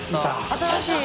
新しい。